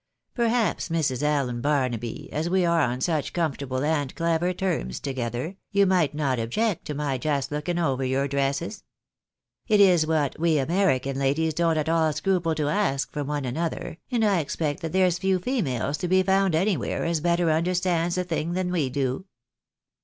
Perhaps, Mrs. Allen Barnaby, as ^'^•e are on such com fortable and clever terms together, you might not object to my just looking over your dresses ? It is what we American ladies don't at all scruple to ask from one another, and I expect that there's few females to be found anywhere as better understands the thing than we do."